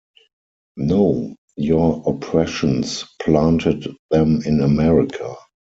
No, your oppressions planted them in America.